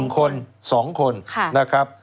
๑คน๒คน